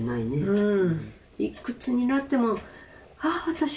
うん。